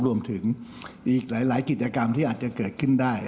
รวมถึงอีกหลายกิจกรรมที่อาจจะเกิดขึ้นได้